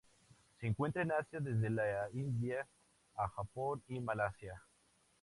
Se encuentra en Asia desde la India a Japón y Malasia.